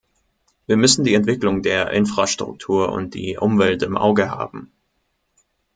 Wir müssen die Entwicklung der Infrastruktur und die Umwelt im Auge haben.